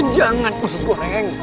jangan usus goreng